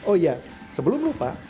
oh ya sebelum lupa